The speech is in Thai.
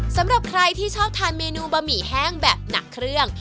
สำหรับใครที่ชอบทานเมนูบะหมี่แห้งแบบหนักเครื่อง